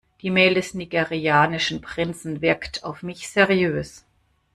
Die Mail des nigerianischen Prinzen wirkt auf mich seriös.